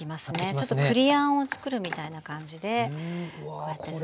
ちょっと栗あんをつくるみたいな感じでこうやってちょっと。